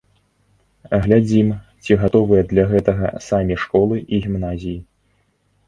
Глядзім, ці гатовыя для гэтага самі школы і гімназіі.